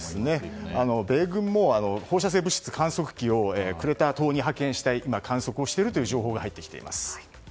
米軍も放射性物質観測器をクレタ島に派遣して今、観測をしているという情報が入ってきています。